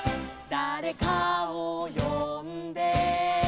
「だれかをよんで」